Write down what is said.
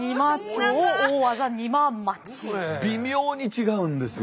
微妙に違うんですよ